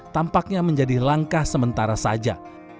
tampaknya menjadi langkah sementara saja